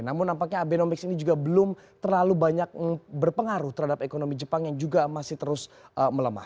namun nampaknya abenomics ini juga belum terlalu banyak berpengaruh terhadap ekonomi jepang yang juga masih terus melemah